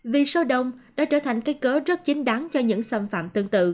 vì sâu đông đã trở thành cái cớ rất chính đáng cho những xâm phạm tương tự